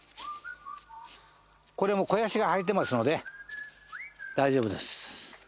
これも肥やしが入ってますので大丈夫です。